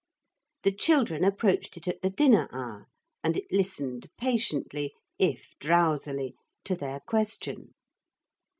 The children approached it at the dinner hour and it listened patiently if drowsily to their question.